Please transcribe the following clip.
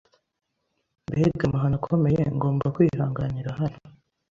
Mbega amahano akomeye ngomba kwihanganira hano